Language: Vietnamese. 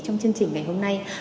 trong chương trình ngày hôm nay